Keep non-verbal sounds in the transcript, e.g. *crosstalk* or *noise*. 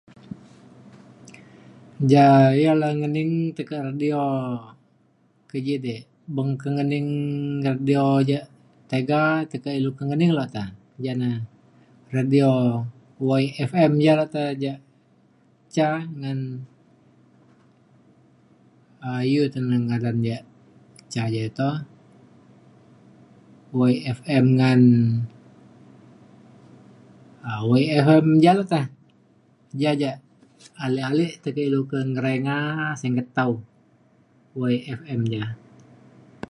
ja ya le ngening tekek radio ke ji dik beng ke ngening radio ja tega tekak ilu ke ngening luk te jane radio WaiFM ja lukte ja' ca ngan *unintelligible* iu te ja ngadan ja ca je to WaiFM ngan awai FM ja lukte. ja je alik alik teka ilu ngerenga sengket tau. WaiFM ja.